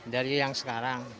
dari yang sekarang